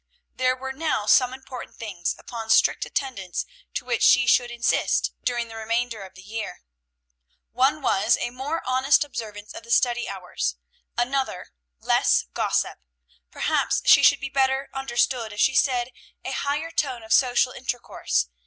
There were now some important things, upon strict attendance to which she should insist during the remainder of the year. One was, a more honest observance of the study hours; another, less gossip: perhaps she should be better understood if she said a higher tone of social intercourse.